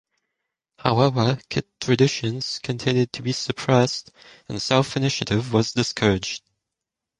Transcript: However, Ket traditions continued to be suppressed and self-initiative was discouraged.